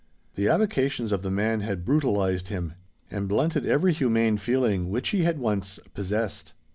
The avocations of the man had brutalized him, and blunted every humane feeling which he had once possessed.